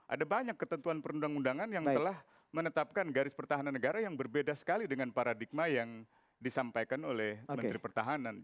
ada banyak ketentuan perundang undangan yang telah menetapkan garis pertahanan negara yang berbeda sekali dengan paradigma yang disampaikan oleh menteri pertahanan